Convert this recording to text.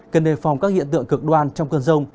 cần đề phòng các hiện tượng cực đoan trong cơn rông